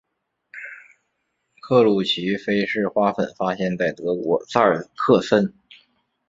克鲁奇菲氏花粉发现在德国萨克森。